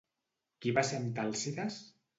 Qui va ser Antàlcides?